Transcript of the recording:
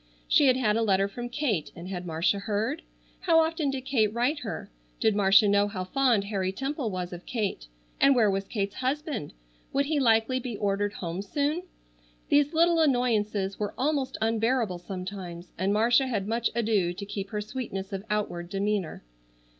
She had had a letter from Kate and had Marcia heard? How often did Kate write her? Did Marcia know how fond Harry Temple was of Kate? And where was Kate's husband? Would he likely be ordered home soon? These little annoyances were almost unbearable sometimes and Marcia had much ado to keep her sweetness of outward demeanor.